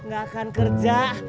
gak akan kerja